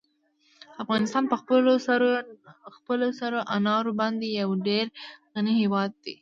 افغانستان په خپلو سرو انارو باندې یو ډېر غني هېواد دی.